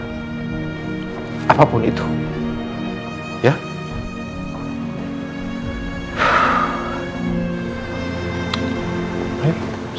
kameranya mana ya pak